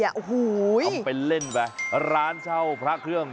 โอ้โหทำเป็นเล่นไปร้านเช่าพระเครื่อง